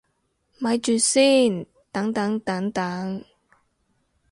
咪住先，等等等等